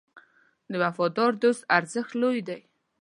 د وفادار دوست ارزښت لوی دی.